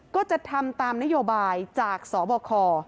ก็จะทำตามนโยบายจากสบค